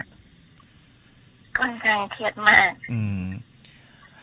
ปัจจังเครียดมาก